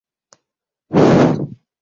Safari yetu ilikuwa ndefu